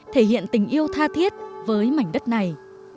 thể hiện tình yêu tha thiết với mảnh đất này